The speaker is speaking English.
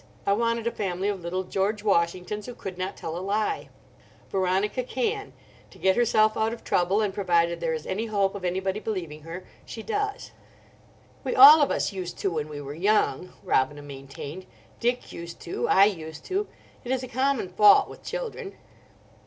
I wanted a family of little George Washingtons, who could not tell a lie. Veronica can. To get herself out of trouble—and provided there is any hope of anybody believing her—she does." "We all of us used to when we were young," Robina maintained; "Dick used to, I used to. It is a common fault with children."